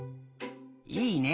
いいね